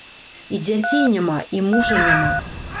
І дзяцей няма, і мужа няма.